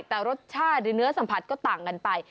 แต่รสชาติหรือเนื้อสัมผัสก็ต่างกันไป